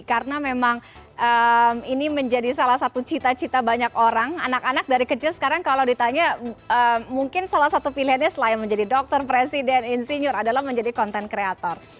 karena memang ini menjadi salah satu cita cita banyak orang anak anak dari kecil sekarang kalau ditanya mungkin salah satu pilihannya selain menjadi dokter presiden insinyur adalah menjadi content creator